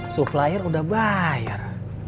suflair udah bayar